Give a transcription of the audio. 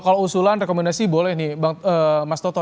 kalau usulan rekomendasi boleh nih mas toto